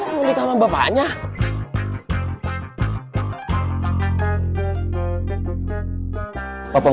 mau nikah sama bapaknya